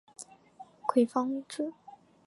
葵芳邨。